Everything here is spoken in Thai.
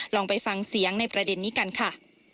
ลองไปฟังเสียงในประเด็นนี้กันค่ะ